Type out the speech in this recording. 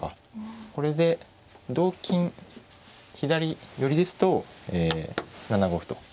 これで同金左寄ですと７五歩と。